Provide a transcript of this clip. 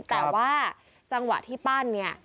แต่ว่าจังหวะที่ปั้นเนี่ย